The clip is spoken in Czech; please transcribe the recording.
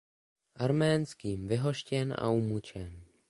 Arménským vyhoštěn a umučen.